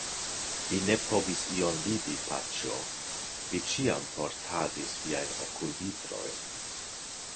Vi ne povis ion vidi, paĉjo, vi ĉiam portadis viajn okulvitrojn.